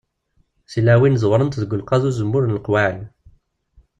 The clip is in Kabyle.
Tilawin ẓewwrent deg ulqaḍ n uzemmur n leqwaɛi.